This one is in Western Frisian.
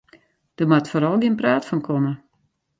Der moat foaral gjin praat fan komme.